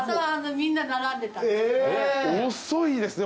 遅いですね